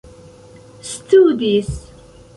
studis